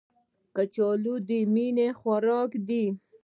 کچالو د مینې خوراک دی